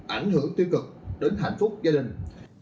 ảnh hưởng tiêu cực đến hạnh phúc gia đình